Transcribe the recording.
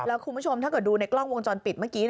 แล้วคุณผู้ชมถ้าเกิดดูในกล้องวงจรปิดเมื่อกี้